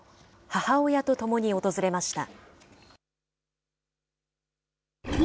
母親と共に訪れました。